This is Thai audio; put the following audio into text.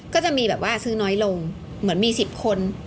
ก็จะมีแบบว่าซื้อน้อยลงเหมือนมี๑๐คน